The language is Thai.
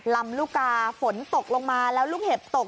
ลำลูกกาฝนตกลงมาแล้วลูกเห็บตก